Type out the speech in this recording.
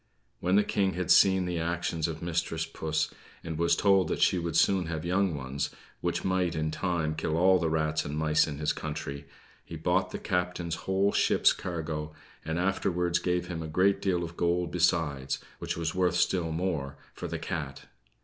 When the King had seen the actions of mistress puss, and was told that she would soon have young ones, which might in time kill all the rats and mice in his country, he bought the captain's whole ship's cargo; and afterwards gave him a great deal of gold besides, which was worth still more, for the cat.